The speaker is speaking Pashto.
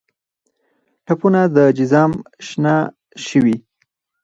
ټپونه د جزام شنه شوي